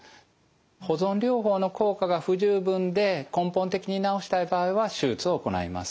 保存療法の効果が不十分で根本的に治したい場合は手術を行います。